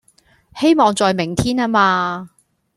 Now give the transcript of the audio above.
希望在明天呀嘛